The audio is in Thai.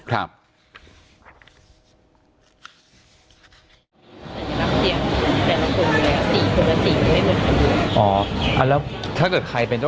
แล้วคือจะสามารถเอาเรือมาปล่อย